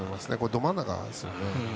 ど真ん中ですよね。